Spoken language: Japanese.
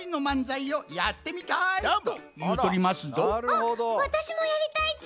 あっわたしもやりたいち！